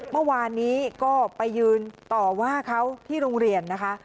เมื่อวานนี้ก็ไปยืนต่อว่าเขาที่โรงเรียนนะคะ